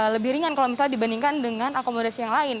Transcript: lebih ringan kalau misalnya dibandingkan dengan akomodasi yang lain